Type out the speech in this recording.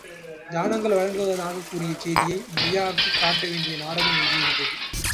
தானங்கள் வழங்குவதாகக் கூறிய செய்தியை மெய்யாக்கிக் காட்டவேண்டிய நாடகம் எஞ்சி இருந்தது.